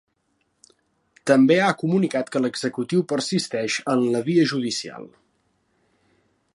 També ha comunicat que l'executiu persisteix en la via judicial.